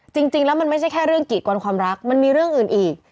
จริงแล้วมันไม่ใช่แค่เรื่องกีดกวนความรักมันมีเรื่องอื่นอีก